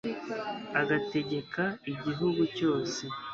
agategeka igihugu cyose